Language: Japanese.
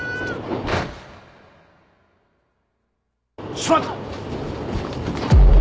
しまった！